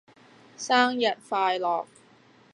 生日快樂